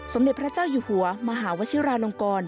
สมเด็จพระเจ้าอยู่หัวมหาวชิราลงกร